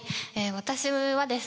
私はですね